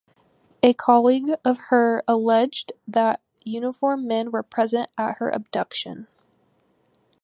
A colleague of her alleged that uniformed men were present at her abduction.